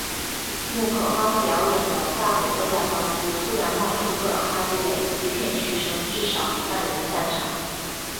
木口刚表演完大伙都在欢呼，突然冒出个哈基雷，一片嘘声，至少一半人散场